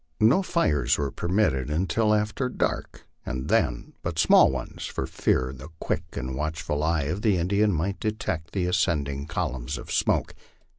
No fires were permitted until after dark, and then but small ones, for fear the quick and watchful eye of the Indian might detect the ascending columns of smoke.